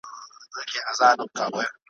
موري خوږېږم سرتر نوکه د پرون له خوارۍ `